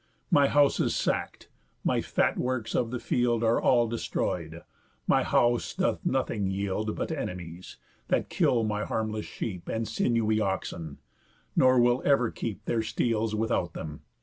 My house is sack'd, my fat works of the field Are all destroy'd; my house doth nothing yield But enemies, that kill my harmless sheep, And sinewy oxen, nor will ever keep Their steels without them.